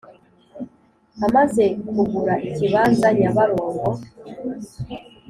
amaze kugura ikibanza nyabarongo.